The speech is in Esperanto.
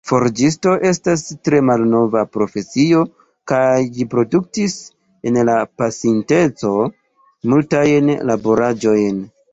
Forĝisto estas tre malnova profesio kaj ĝi produktis, en la pasinteco, multajn laboraĵojn.